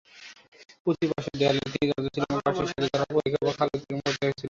প্রতি পাশের দেওয়ালে তিনটি দরজা ছিল এবং পাঁচটি সেতু দ্বারা পরিখা বা খাল অতিক্রম করতে হয়েছিল।